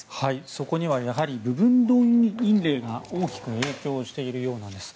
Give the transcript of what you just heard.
そこにはやはり部分動員令が大きく影響しているようなんです。